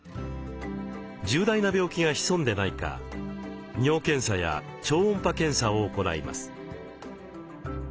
重大な病気が潜んでないか尿検査や超音波検査を行います。